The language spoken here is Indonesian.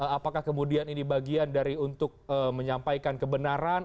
apakah kemudian ini bagian dari untuk menyampaikan kebenaran